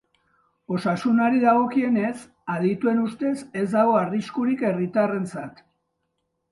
Osasunari dagokionez, adituen ustez ez dago arriskurik herritarrentzat.